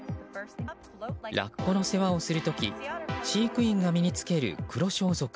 ラッコの世話をする時飼育員が身に着ける黒装束